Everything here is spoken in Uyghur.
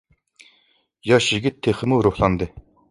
ياش يىگىت تېخىمۇ روھلاندى.